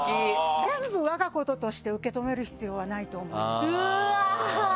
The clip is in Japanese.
全部、我が事として受け止める必要はないと思います。